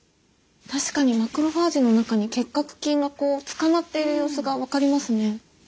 確かにマクロファージの中に結核菌がこうつかまっている様子が分かりますね。